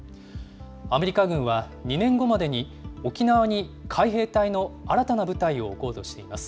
アメリカ軍は、２年後までに沖縄に海兵隊の新たな部隊を置こうとしています。